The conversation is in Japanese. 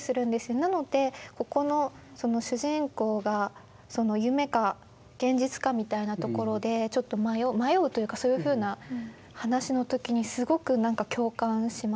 なのでここの主人公が夢か現実かみたいなところでちょっと迷うというかそういうふうな話の時にすごく共感しました。